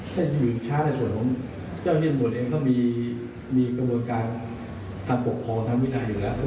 แต่ตอนไม่เห็นลูกเถอะ